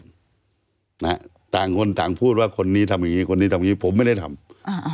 นะฮะต่างคนต่างพูดว่าคนนี้ทำอย่างงี้คนนี้ทำอย่างงี้ผมไม่ได้ทำอ่า